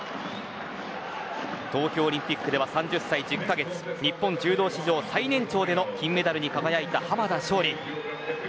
東京オリンピックでは３０歳１０カ月日本柔道史上最年長での金メダルに輝いた濱田尚里。